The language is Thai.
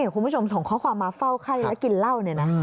คุณผู้ชมส่งข้อความมาเฝ้าไข้และกินเหล้า